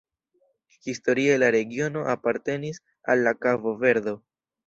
Historie la regiono apartenis al la Kabo-Verdo.